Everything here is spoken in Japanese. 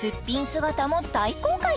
姿も大公開！